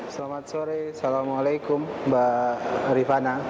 selamat sore assalamualaikum mbak rifana